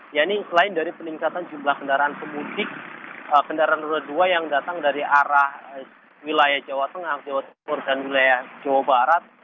ya ini selain dari peningkatan jumlah kendaraan pemudik kendaraan roda dua yang datang dari arah wilayah jawa tengah jawa timur dan wilayah jawa barat